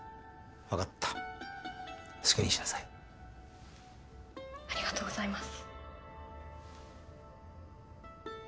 分かった好きにしなさいありがとうございます